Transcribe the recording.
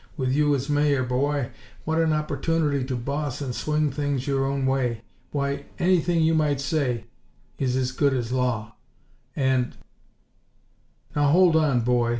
With you as Mayor, boy! What an opportunity to boss and swing things your own way! Why, anything you might say is as good as law; and " "Now, hold on, boy!"